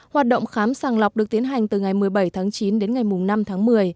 hoạt động khám sàng lọc được tiến hành từ ngày một mươi bảy tháng chín đến ngày năm tháng một mươi